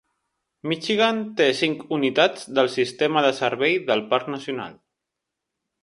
Michigan té cinc unitats del sistema de Servei del Parc Nacional.